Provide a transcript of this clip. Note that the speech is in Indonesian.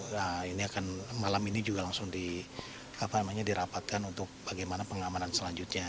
nah ini akan malam ini juga langsung dirapatkan untuk bagaimana pengamanan selanjutnya